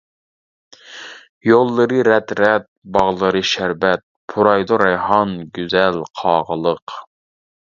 يوللىرى رەت-رەت، باغلىرى شەربەت، پۇرايدۇ رەيھان، گۈزەل قاغىلىق.